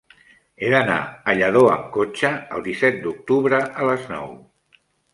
He d'anar a Lladó amb cotxe el disset d'octubre a les nou.